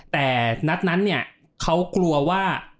แต่นัดนั้นเนี่ยเขากลัวว่า